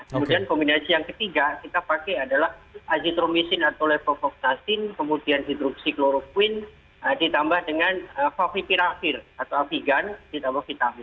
kemudian kombinasi yang ketiga kita pakai adalah azitromisin atau lepovoktasin kemudian hidroksikloroquine ditambah dengan favipiravir atau afigan ditambah vitamin